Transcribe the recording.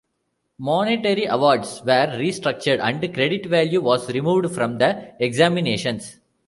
Monetary awards were restructured and credit value was removed from the examinations.